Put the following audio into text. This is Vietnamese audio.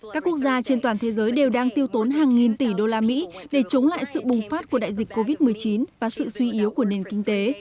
các quốc gia trên toàn thế giới đều đang tiêu tốn hàng nghìn tỷ đô la mỹ để chống lại sự bùng phát của đại dịch covid một mươi chín và sự suy yếu của nền kinh tế